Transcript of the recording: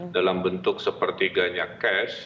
dalam bentuk sepertiganya cash